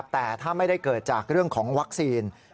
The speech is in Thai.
แต่ถ้าไม่ได้เกิดจากเรื่องของวัคซีน